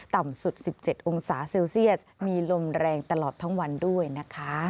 ต่ำสุด๑๗องศาเซลเซียสมีลมแรงตลอดทั้งวันด้วยนะคะ